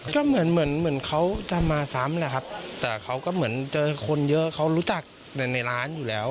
ก็เหมือนเหมือนเขาจะมาซ้ำแหละครับแต่เขาก็เหมือนเจอคนเยอะเขารู้จักในร้านอยู่แล้ว